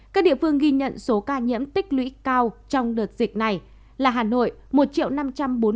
các địa phương ghi nhận số ca nhiễm tích lũy cao trong đợt dịch này là hà nội một năm trăm bốn mươi bảy trăm bốn mươi hai ca